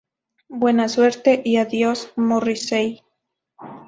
Buena suerte y adiós, Morrissey".